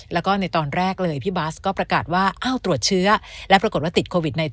แล้วก็ในตอนแรกเลยพี่บาสก็ประกาศว่าตรวจเชื้อและปรากฏว่าติดโควิด๑๙